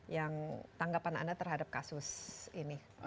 yang tanggapan anda terhadap kasus ini